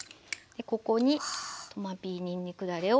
ここにトマピーにんにくだれを。